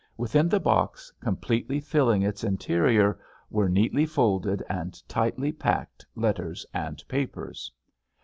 Within the box, completely filling its interior, were neatly folded and tightly packed letters and papers.